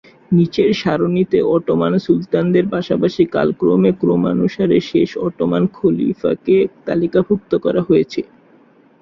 নিচের সারণিতে অটোমান সুলতানদের পাশাপাশি কালক্রমে ক্রমানুসারে শেষ অটোমান খলিফাকে তালিকাভুক্ত করা হয়েছে।